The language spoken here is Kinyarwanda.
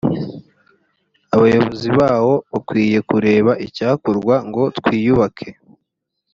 abayobozi bawo bakwiye kureba icyakorwa ngo twiyubake